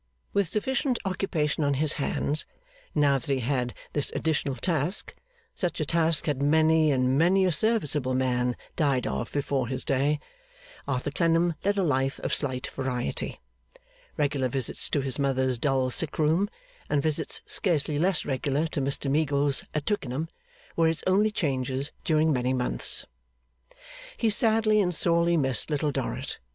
With sufficient occupation on his hands, now that he had this additional task such a task had many and many a serviceable man died of before his day Arthur Clennam led a life of slight variety. Regular visits to his mother's dull sick room, and visits scarcely less regular to Mr Meagles at Twickenham, were its only changes during many months. He sadly and sorely missed Little Dorrit.